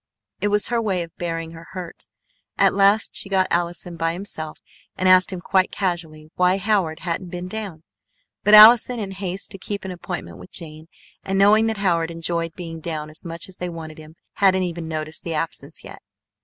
It was her way of bearing her hurt. At last she got Allison by himself and asked him quite casually why Howard hadn't been down. But Allison, in haste to keep an appointment with Jane, and knowing that Howard enjoyed being down as much as they wanted him, hadn't even noticed the absence yet.